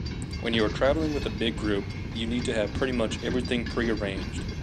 When you are traveling with a big group, you need to have pretty much everything prearranged.